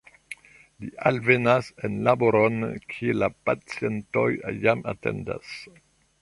Li alvenas en laboron, kie la pacientoj jam atendas.